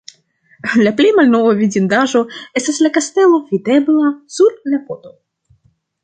La plej malnova vidindaĵo estas la kastelo videbla sur la foto.